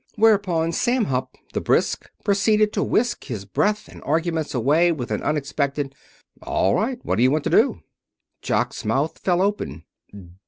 Whereupon Sam Hupp, the brisk, proceeded to whisk his breath and arguments away with an unexpected: "All right. What do you want to do?" Jock's mouth fell open.